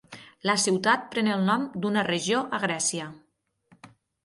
La ciutat pren el nom d'una regió a Grècia.